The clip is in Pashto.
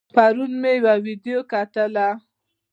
پرون مې يوه ويډيو کتله